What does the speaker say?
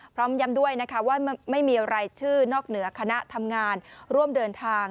พร้อมย้ำด้วยนะคะว่าไม่มีรายชื่อนอกเหนือคณะทำงานร่วมเดินทาง